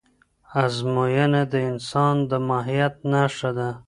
ازموینه د انسان د ماهیت نښه ده.